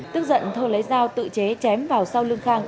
tức giận thơ lấy dao tự chế chém vào sau lương khang